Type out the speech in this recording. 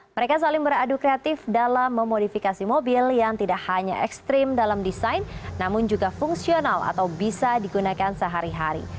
mereka saling beradu kreatif dalam memodifikasi mobil yang tidak hanya ekstrim dalam desain namun juga fungsional atau bisa digunakan sehari hari